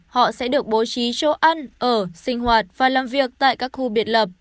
họ sẽ được bố trí chỗ ăn ở sinh hoạt và làm việc tại các khu biệt lập